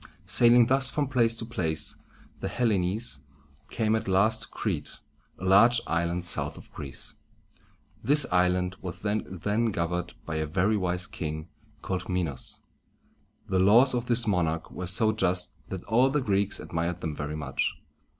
Sailing thus from place to place, the Hellenes came at last to Crete, a large island south of Greece. This island was then governed by a very wise king called Mi´nos. The laws of this monarch were so just that all the Greeks admired them very much.